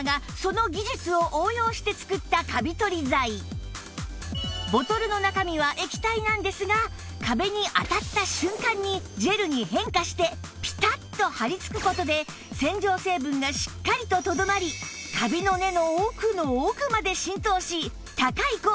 実はこちらボトルの中身は液体なんですが壁に当たった瞬間にジェルに変化してピタッと張りつく事で洗浄成分がしっかりととどまりカビの根の奥の奥まで浸透し高い効果を発揮